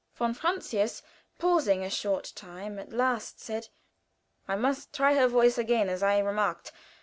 Von Francius, pausing a short time, at last said: "I must try her voice again, as I remarked.